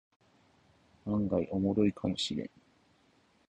案外オモシロイかもしれん